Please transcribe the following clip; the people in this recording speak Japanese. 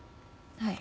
はい。